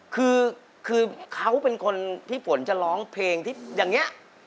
คือเขาเป็นคนที่ฝนจะร้องเพลงที่อย่างนี้